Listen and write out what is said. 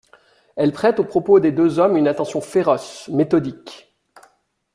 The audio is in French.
Elle prête aux propos des deux hommes une attention féroce, méthodique.